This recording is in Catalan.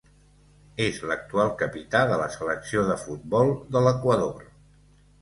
És l'actual capità de la selecció de futbol de l'Equador.